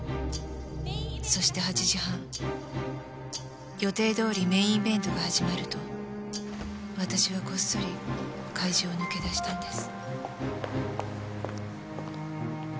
そして８時半予定どおりメーンイベントが始まると私はこっそり会場を抜け出したんです。